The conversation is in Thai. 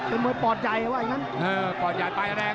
เป็นมวยปลอดใจนะว่าอีงงั้น